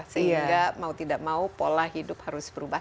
sehingga mau tidak mau pola hidup harus berubah